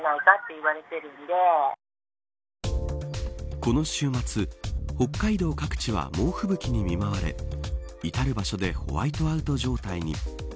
この週末北海道各地は猛吹雪に見舞われ至る場所でホワイトアウト状態に。